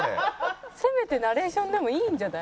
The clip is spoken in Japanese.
「せめてナレーションでもいいんじゃない？」